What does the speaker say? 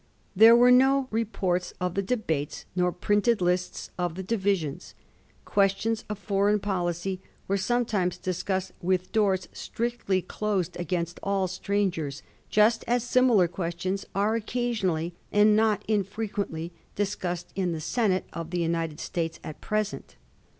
There were no re ports of the debates, nor printed lists of the divisions Questions of foreign policy were sometimes discussed with doors strictly closed against all strangers, just as similar questions are occasionally, and not in frequently, discussed in the Senate of the United States at present.